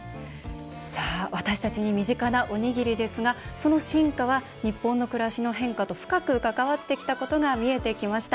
私たちに身近なおにぎりですがその進化は日本の暮らしの変化と深く関わってきたことが見えてきました。